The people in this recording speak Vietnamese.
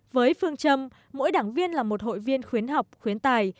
với phương châm mỗi đảng viên là một hội viên khuyến học khuyến tài